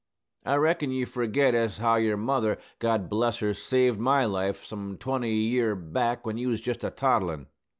I reckon you forget as how your mother, God bless her, saved my life, some twenty year back, when you was jest a toddlin'.